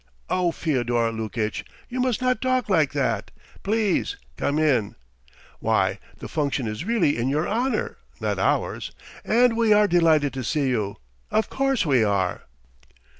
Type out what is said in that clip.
"Oh, Fyodor Lukitch, you must not talk like that! Please come in. Why, the function is really in your honour, not ours. And we are delighted to see you. Of course we are!